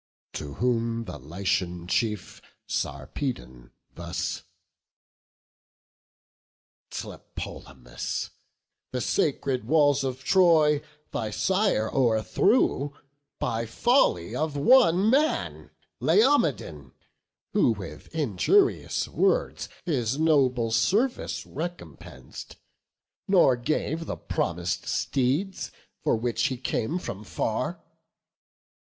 To whom the Lycian chief, Sarpedon, thus: "Tlepolemus, the sacred walls of Troy Thy sire o'erthrew, by folly of one man, Laomedon, who with injurious words His noble service recompens'd; nor gave The promis'd steeds, for which he came from far.